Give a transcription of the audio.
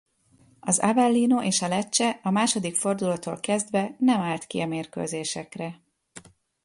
A Avellino és a Lecce a második fordulótól kezdve nem állt ki a mérkőzésekre.